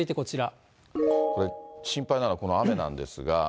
これ、心配なのはこの雨なんですが。